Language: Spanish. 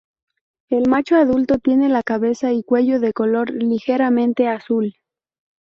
El macho adulto tiene la cabeza y cuello de color ligeramente azul.